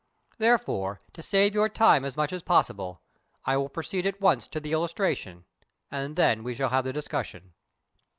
Therefore, to save your time as much as possible, I will proceed at once to the illustration, and then we will have the discussion."